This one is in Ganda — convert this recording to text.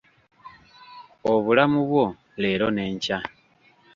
Obulamu bwo leero n'enkya.